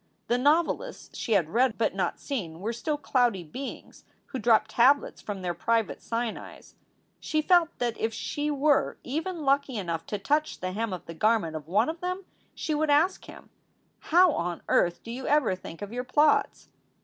The novelists she had read but not seen were still cloudy beings who dropped tablets from their private Sinais. She felt that if she were even lucky enough to touch the hem of the garment of one of them she would ask him : "How on earth do you ever think of your plots?"